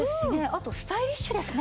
あとスタイリッシュですね。